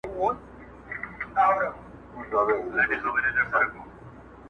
اوس په ساندو كيسې وزي له كابله-